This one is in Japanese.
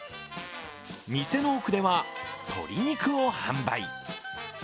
店の奥では鶏肉を販売。